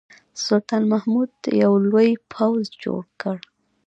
سلطان محمود یو لوی پوځ جوړ کړ.